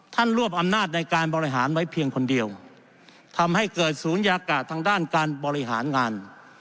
รวบอำนาจในการบริหารไว้เพียงคนเดียวทำให้เกิดศูนยากาศทางด้านการบริหารงาน